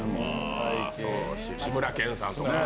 志村けんさんとか。